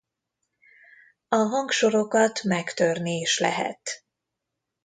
A hangsorokat megtörni is lehet.